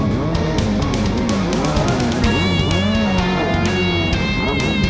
target fotonya apaan